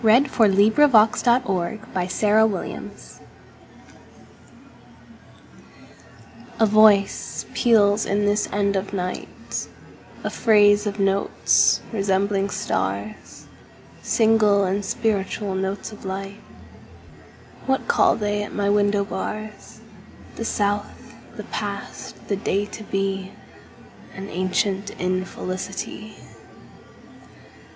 1920. Alice Meynell1847–1922 A Thrush before Dawn A VOICE peals in this end of nightA phrase of notes resembling stars, Single and spiritual notes of light. What call they at my window bars? The South, the past, the day to be, An ancient infelicity.